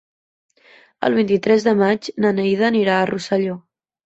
El vint-i-tres de maig na Neida anirà a Rosselló.